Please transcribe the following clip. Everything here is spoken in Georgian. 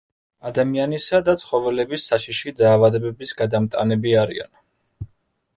ადამიანისა და ცხოველების საშიში დაავადებების გადამტანები არიან.